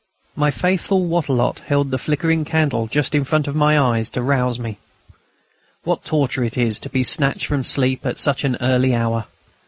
My faithful Wattrelot held the flickering candle just in front of my eyes to rouse me. What torture it is to be snatched from sleep at such an early hour!